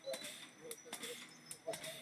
থাঙ্গারাজ, আমি সবসময় তোমার সাথে আছি।